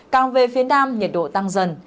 càng về phía nam nhiệt độ tăng dần